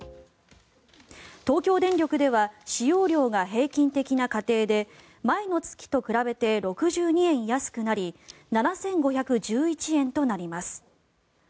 東京電力では使用量が平均的な家庭で前の月と比べて６２円安くなり７５１１円となります。